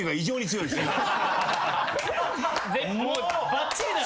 ばっちりだな。